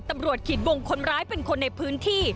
ขีดวงคนร้ายเป็นคนในพื้นที่